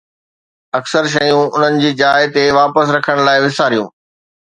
اڪثر شيون انهن جي جاء تي واپس رکڻ لاء وساريو